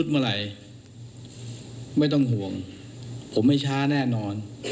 ไม่ต้องห่วงผมไม่ช้าแน่นอน